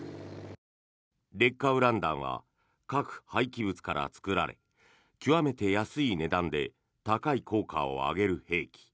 劣化ウラン弾は核廃棄物から作られ極めて安い値段で高い効果を上げる兵器。